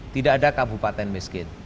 tidak ada kabupaten miskin